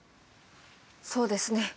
そうですね。